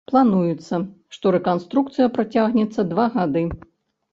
Плануецца, што рэканструкцыя працягнецца два гады.